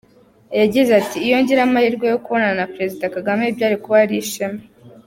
Yagize ati “Iyo ngira amahirwe yo kubonana na Perezida Kagame, byari kuba ari ishema.